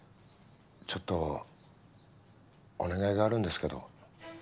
ちょっとお願いがあるんですけど。